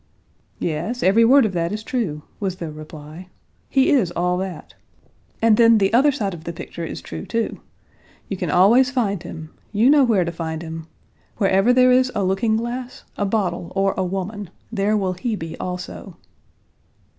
"Yes, every word of that is true," was the reply. "He is all that. And then the other side of the picture is true, too. You can always find him. You know where to find him! Wherever there is a looking glass, a bottle, or a woman, there will he be also."